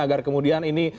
agar kemudian ini